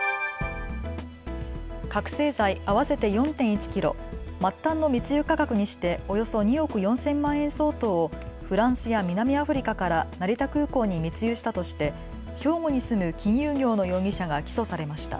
覚醒剤合わせて４．１キロ、末端の密輸価格にしておよそ２億４０００万円相当をフランスや南アフリカから成田空港に密輸したとして兵庫に住む金融業の容疑者が起訴されました。